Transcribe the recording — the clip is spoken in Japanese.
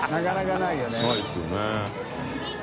ないですよね。